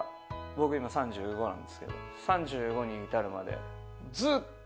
僕今３５なんですけど３５に至るまでずっと聴いてるし